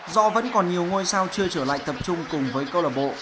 do vẫn còn nhiều ngôi sao chưa trở lại tập trung cùng với câu lạc bộ